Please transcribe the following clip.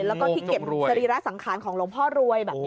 แล้วก็ที่เก็บสรีระสังขารของหลวงพ่อรวยแบบนี้